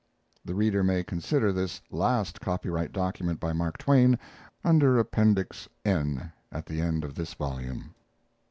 [The reader may consider this last copyright document by Mark Twain under Appendix N, at the end of this volume.